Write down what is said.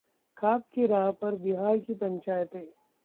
खाप की राह पर बिहार की पंचायतें